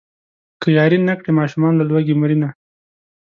که ياري نه کړي ماشومان له لوږې مرينه.